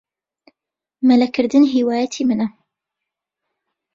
مەلەکردن هیوایەتی منە.